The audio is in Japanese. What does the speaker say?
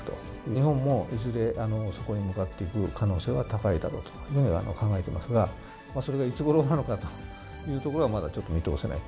日本もいずれそこに向かっていく可能性は高いだろうというふうに考えていますが、それがいつごろなのかというところはまだちょっと見通せない。